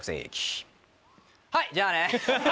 はいじゃあね。